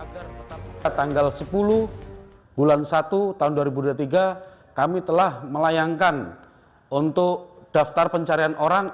pada tanggal sepuluh bulan satu tahun dua ribu dua puluh tiga kami telah melayangkan untuk daftar pencarian orang